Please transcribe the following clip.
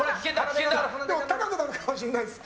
高くなるかもしれないです。